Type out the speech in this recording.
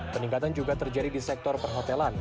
peningkatan juga terjadi di sektor perhotelan